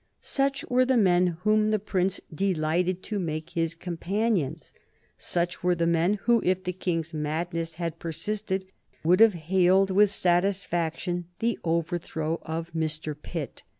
Such were the men whom the Prince delighted to make his companions; such were the men who, if the King's madness had persisted, would have hailed with satisfaction the overthrow of Mr. Pitt.